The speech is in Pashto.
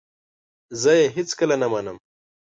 زه یې هیڅکله نه منم !